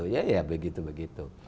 ya ya begitu begitu